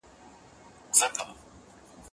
زه پرون قلم استعمالوم کړ!.